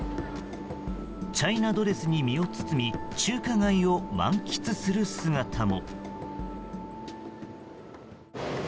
チャイナドレスに身を包み中華街を満喫する姿も。